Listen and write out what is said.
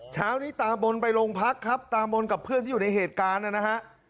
เช้านี้ตามนไปโรงพักครับตามนกับเพื่อนที่อยู่ในเหตุการณ์นะฮะ